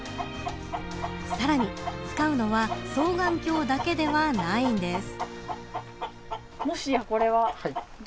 さらに使うのは双眼鏡だけではないんです。